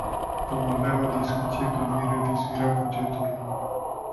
Vom avea o discuție privind revizuirea bugetului.